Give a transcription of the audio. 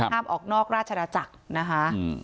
ห้ามออกนอกราชนาจักรนะคะ